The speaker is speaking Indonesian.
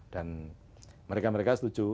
dan mereka mereka setuju